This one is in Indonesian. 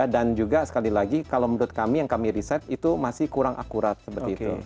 juga sekali lagi kalau menurut kami yang kami riset itu masih kurang akurat seperti itu